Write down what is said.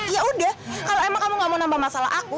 yaudah kalau emang kamu gak mau nambah masalah aku